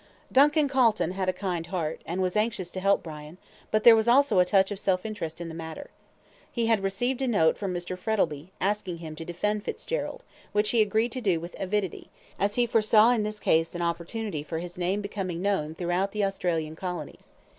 Duncan Calton had a kindly heart, and was anxious to help Brian, but there was also a touch of self interest in the matter. He had received a note from Mr. Frettlby, asking him to defend Fitzgerald, which he agreed to do with avidity, as he foresaw in this case an opportunity for his name becoming known throughout the Australian colonies.